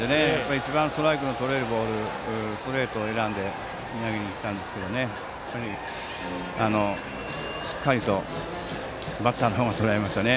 一番、ストライクのとれるボールストレートを選んでいったんですけどしっかりとバッターの方がとらえましたね。